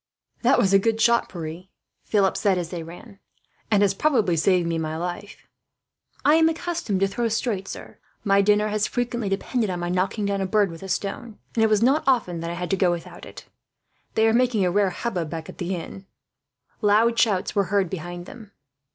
"That was a good shot, Pierre," Philip said, as they ran; "and has probably saved my life." "I am accustomed to throw straight, sir. My dinner has frequently depended on my knocking down a bird with a stone, and it was not often that I had to go without it. "They are making a rare hubbub, back at the inn." Loud shouts were heard behind them.